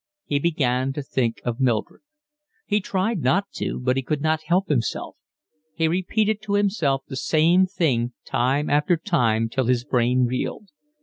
He began to think of Mildred. He tried not to, but could not help himself. He repeated to himself the same thing time after time till his brain reeled.